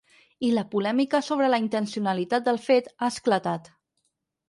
I la polèmica sobre la intencionalitat del fet ha esclatat.